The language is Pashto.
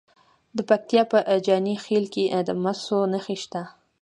د پکتیا په جاني خیل کې د مسو نښې شته.